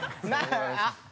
あっ。